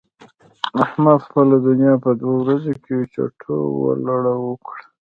احمد خپله دونيا په دوو ورځو کې چټو و لړو کړه.